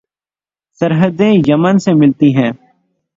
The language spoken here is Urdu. سرحدیں یمن سے ملتی ہیں